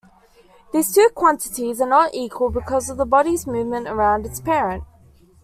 These two quantities are not equal because of the body's movement around its parent.